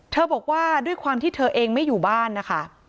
บอกว่าด้วยความที่เธอเองไม่อยู่บ้านนะคะ